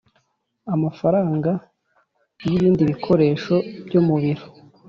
Amafaranga y ibindi bikoresho byo mu biro